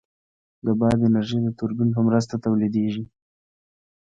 د باد انرژي د توربین په مرسته تولیدېږي.